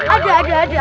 aduh aduh aduh